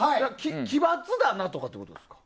奇抜だなってことですか。